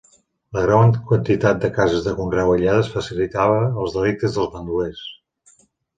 La gran quantitat de cases de conreu aïllades facilitava els delictes dels bandolers.